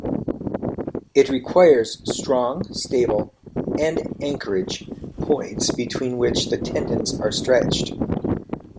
It requires strong, stable end-anchorage points between which the tendons are stretched.